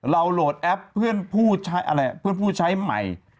เราโหลดแอปเพื่อนผู้ใช้ชนัดแปลว่างใหม่